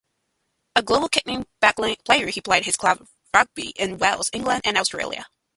A goal-kicking backline player, he played his club rugby in Wales, England and Australia.